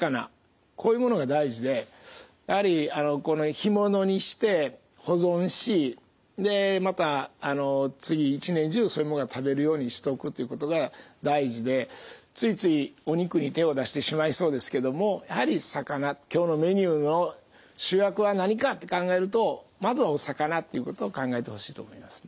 こういうものが大事でやはりこの干物にして保存しまた次一年中そういうものが食べるようにしておくということが大事でついついお肉に手を出してしまいそうですけどもやはり魚今日のメニューの主役は何かって考えるとまずはお魚ということを考えてほしいと思いますね。